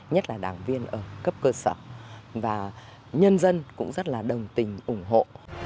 nhất là đảng viên ở cấp cơ sở và nhân dân cũng rất là đồng tình ủng hộ